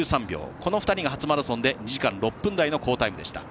この２人が初マラソンで２時間６分台の好タイムでした。